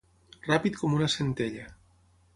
Ràpid com una centella.